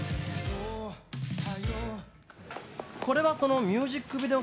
これはそのミュージックビデオ